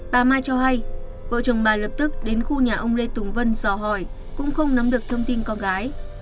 bà mai cho hay vợ chồng bà lập tức đến khu nhà ông lê tùng vân dò hỏi cũng không nắm được thông tin con gái